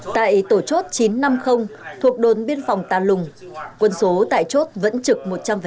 tại tổ chốt chín trăm năm mươi thuộc đồn biên phòng tà lùng quân số tại chốt vẫn trực một trăm linh